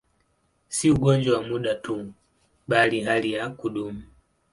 Si ugonjwa wa muda tu, bali hali ya kudumu.